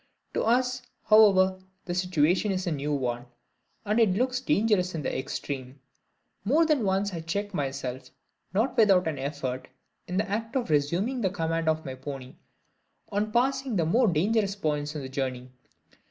To us, however, the situation is a new one; and it looks dangerous in the extreme. More than once I check myself, not without an effort, in the act of resuming the command of my pony on passing the more dangerous points in the journey.